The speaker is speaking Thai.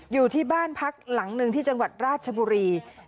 อยู่ที่บ้านพักหลังหนึ่งที่จังหวัดราชบุรี